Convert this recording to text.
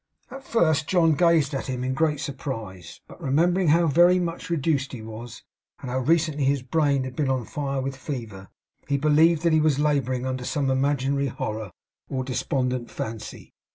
At first, John gazed at him in great surprise; but remembering how very much reduced he was, and how recently his brain had been on fire with fever, believed that he was labouring under some imaginary horror or despondent fancy.